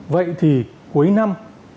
vậy thì cuối năm